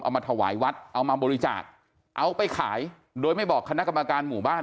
มาถวายวัดเอามาบริจาคเอาไปขายโดยไม่บอกคณะกรรมการหมู่บ้าน